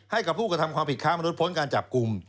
ให้กับผู้กระทำความผิดค้ามนุษยพ้นการจับกลุ่ม